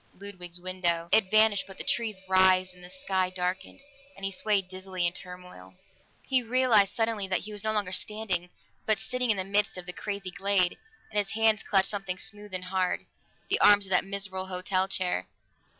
Ludwig's window! It vanished. But the trees writhed and the sky darkened, and he swayed dizzily in turmoil. He realized suddenly that he was no longer standing, but sitting in the midst of the crazy glade, and his hands clutched something smooth and hard the arms of that miserable hotel chair.